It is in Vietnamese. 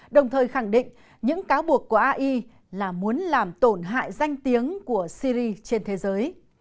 đồng thời khẳng định những cáo buộc của ai là muốn làm tổn hại danh tiếng của syri trên thế giới